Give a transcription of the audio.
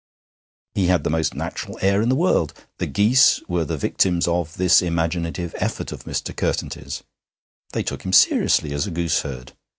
He had the most natural air in the world. The geese were the victims of this imaginative effort of Mr. Curtenty's. They took him seriously as a gooseherd.